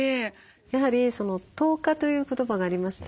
やはり糖化という言葉がありまして。